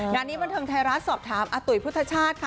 งานนี้บันเทิงไทยรัฐสอบถามอาตุ๋ยพุทธชาติค่ะ